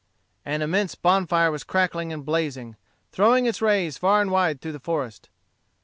An immense bonfire was crackling and blazing, throwing its rays far and wide through the forest.